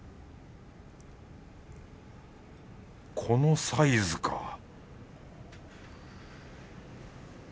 このサイズか